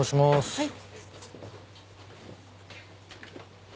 はい。